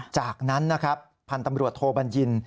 จากนั้นนะครับพันธุ์ตำรวจโทบัญญิน